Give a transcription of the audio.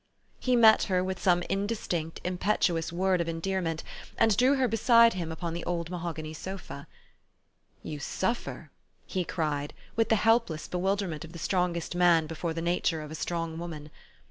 He met her with some indistinct, impetuous word of endearment, and drew her beside him upon the old mahogany sofe. " You suffer !" he cried, with the helpless bewil derment of the strongest man before the nature of a strong woman.